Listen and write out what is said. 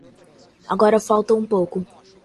Agora, faltava pouco.